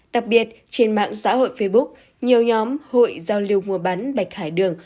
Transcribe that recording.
đặc biệt trên mạng xã hội facebook nhiều nhóm hội giao lưu mua bán bạch hải đường